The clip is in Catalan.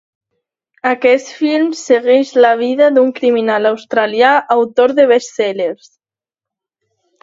Aquest film segueix la vida d'un criminal australià autor de best-sellers.